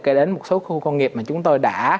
cho đến một số khu công nghiệp mà chúng tôi đã